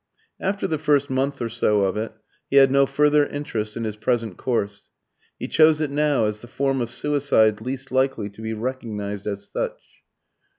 After the first month or so of it, he had no further interest in his present course. He chose it now as the form of suicide least likely to be recognised as such.